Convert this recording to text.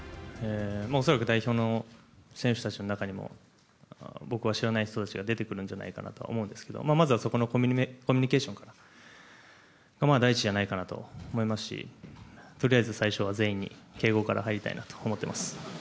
恐らく代表の選手たちの中にも、僕が知らない人たちが出てくるんじゃないかなとは思うんですけど、まずはそこのコミュニケーションから、第一じゃないかなと思いますし、とりあえず最初は全員に敬語から入りたいなと思っています。